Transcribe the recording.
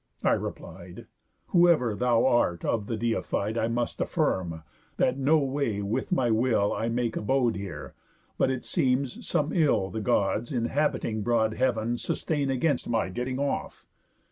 I replied: 'Whoever thou art of the Deified, I must affirm, that no way with my will I make abode here; but, it seems, some ill The Gods, inhabiting broad heav'n, sustain Against my getting off.